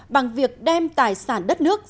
bằng việc đem tài sản đến tổng thống mỹ